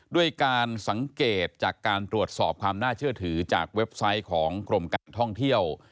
ด้วยการสังเกตจากการตรวจสอบความน่าเชื่อถือจากเว็บไซต์ของกรมการท่องเที่ยว